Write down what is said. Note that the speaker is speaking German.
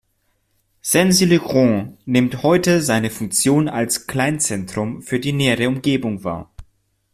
Sancey-le-Grand nimmt heute seine Funktion als Kleinzentrum für die nähere Umgebung wahr.